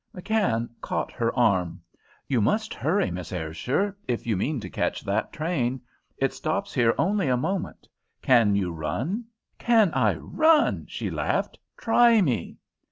McKann caught her arm. "You must hurry, Miss Ayrshire, if you mean to catch that train. It stops here only a moment. Can you run?" "Can I run!" she laughed. "Try me!"